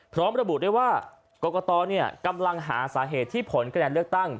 พร้อมระบุได้ว่ากรกตกำลังหาสาเหตุที่ผลคะแนนเลือกตั้ง